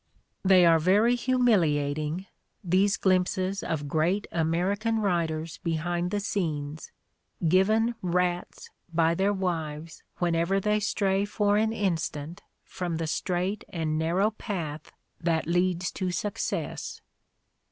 They are very humiliating, these glimpses of great American writers behind the scenes, given "rats" by their wives whenever they stray for an instant from the strait and narrow path that leads to success.